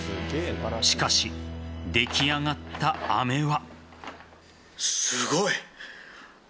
しかし、出来上がった飴は。